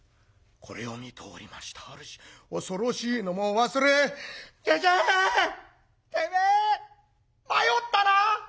これを見ておりました主恐ろしいのも忘れ「じじいてめえ迷ったな！」。